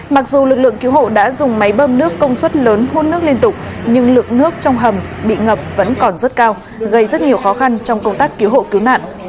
mặc dù lực lượng cứu hộ đã dùng máy bơm nước công suất lớn hút nước liên tục nhưng lượng nước trong hầm bị ngập vẫn còn rất cao gây rất nhiều khó khăn trong công tác cứu hộ cứu nạn